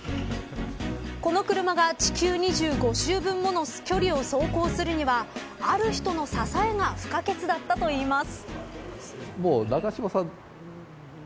この車が、地球２５周分もの距離を走行するにはある人の支えが不可欠だったといいます。